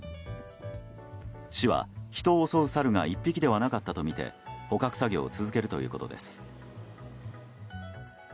市は、人を襲うサルが１匹ではなかったとみて捕獲作業を続けるということです。